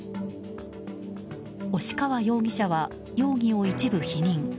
押川容疑者は容疑を一部否認。